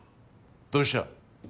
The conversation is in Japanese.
どうした？